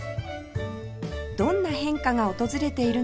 どんな変化が訪れているのか？